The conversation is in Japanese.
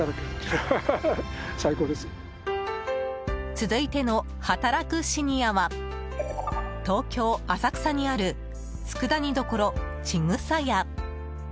続いての働くシニアは東京・浅草にある佃煮処千草屋。